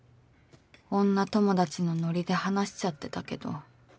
女友達のノリで話しちゃってたけど